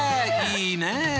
いいね。